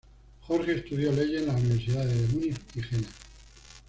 Jorge estudió leyes en las Universidades de Múnich y Jena.